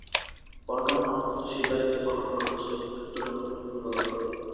ওয়ালটন আপাতত সেই দায়িত্ব পালন করছে, একটা ধন্যবাদ অন্তত তাদের প্রাপ্য।